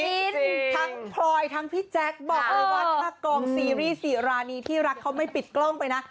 ทั้งพลอยทั้งพี่แจ๊คบอกเลยว่าถ้ากองซีรีส์สีรานีที่รักเขาไม่ปิดกล้องไปนะ